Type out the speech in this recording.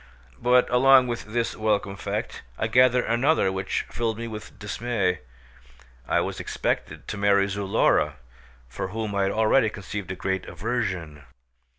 But along with this welcome fact I gathered another which filled me with dismay: I was expected to marry Zulora, for whom I had already conceived a great aversion.